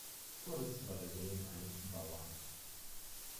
Cordes war der Sohn eines Bauern.